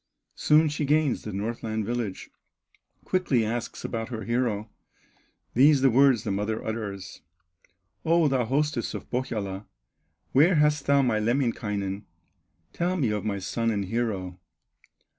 Soon she gains the Northland village, Quickly asks about her hero, These the words the mother utters: "O thou hostess of Pohyola, Where hast thou my Lemminkainen? Tell me of my son and hero!"